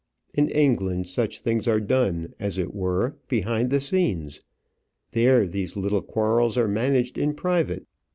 In England such things are done, as it were, behind the scenes: there these little quarrels are managed in private.